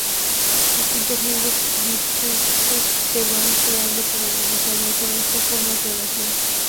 Distintos libros litúrgicos se van creando para realizar mejor estas formas de oración.